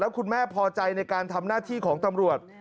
คุณแม่พอใจในการทำหน้าที่ของตำรวจ